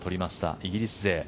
イギリス勢。